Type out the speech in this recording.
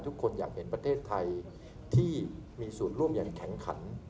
ทุกคนอยากเห็นประเทศไทยที่มีส่วนร่วมอย่างแข็งขัน